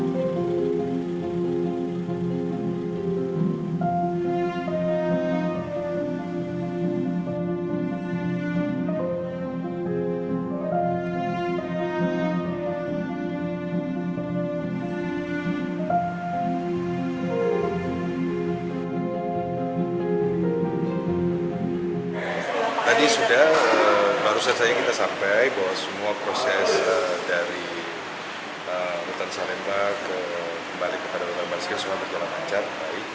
tadi sudah barusan saja kita sampai bahwa semua proses dari lutan salemba kembali kepada bapak ibu barsika semua berjalan lancar baik